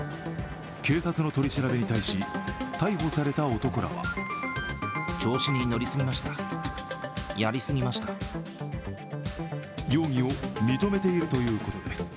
警察の取り調べに対し、逮捕された男らは容疑を認めているということです。